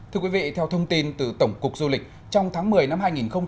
thưa quý vị theo thông tin từ tổng cục du lịch trong tháng một mươi năm hai nghìn hai mươi ba